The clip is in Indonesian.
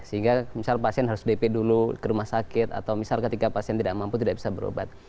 sehingga misal pasien harus dp dulu ke rumah sakit atau misal ketika pasien tidak mampu tidak bisa berobat